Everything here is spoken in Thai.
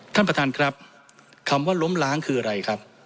ท่านประธานครับคำว่าล้มล้างคืออะไรครับ